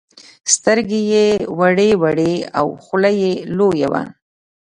سترگې يې وړې وړې او خوله يې لويه وه.